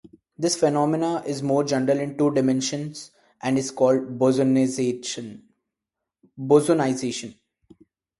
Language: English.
This phenomenon is more general in two dimensions and is called bosonization.